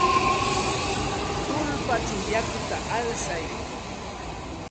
Tullpachaw yakuta alsay.